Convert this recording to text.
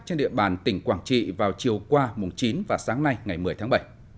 trên địa bàn tỉnh quảng trị vào chiều qua chín và sáng nay ngày một mươi tháng bảy